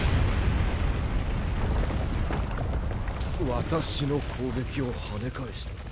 私の攻撃をはね返した？